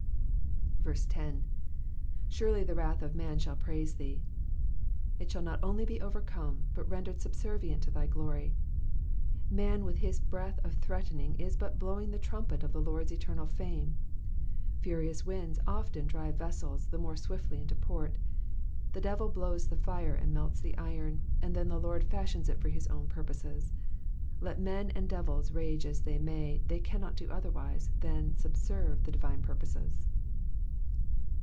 10. ^^ Surely the wrath of man shall praise thee,'''* It shall not only be overcome but rendered subservient to thy glory. Man with his breath of threatening is but blowing the trumpet of the Lord's eternal fame. Furious winds often drive vessels the more swiftly into port. The devil blows the fire and melts the iron, and then the Lord fashions it for his own purposes. Let men and devils rage as they may, they cannot do otherwise than subserve the divine purposes.